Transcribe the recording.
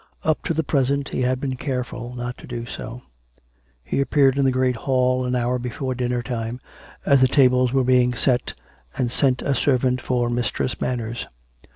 Up to the present he had been careful not to do so. He appeared in the great hall an hour before dinner time, as the tables were being set, and sent a servant for Mistress Manners.